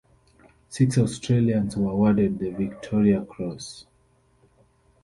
Six Australians were awarded the Victoria Cross.